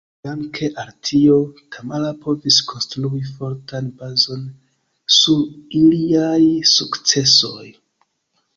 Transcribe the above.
Danke al tio, Tamara povis konstrui fortan bazon sur iliaj sukcesoj.